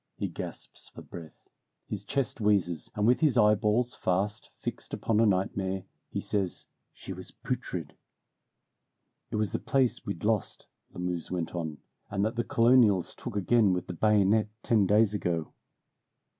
He gasps for breath, his chest wheezes, and with his eyeballs fast fixed upon a nightmare, he says, "She was putrid." "It was the place we'd lost," Lamuse went on, "and that the Colonials took again with the bayonet ten days ago.